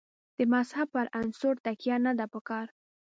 د مذهب پر عنصر تکیه نه ده په کار.